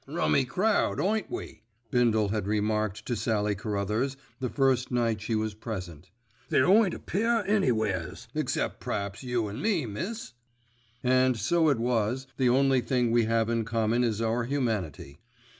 "Rummy crowd, ain't we?" Bindle had remarked to Sallie Carruthers the first night she was present. "There ain't a pair anywheres, except p'raps you an' me, miss." And so it was, the only thing we have in common is our humanity.